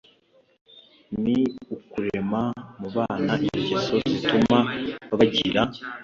ni ukurema mu bana ingeso zituma bagira